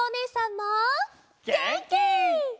げんき！